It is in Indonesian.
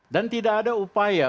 dan tidak ada upaya